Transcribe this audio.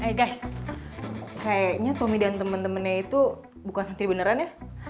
hey guys kayaknya tommy dan temen temennya itu bukan sendiri beneran ya